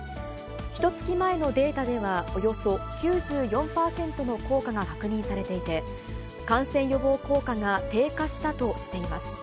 ひとつき前のデータでは、およそ９４％の効果が確認されていて、感染予防効果が低下したとしています。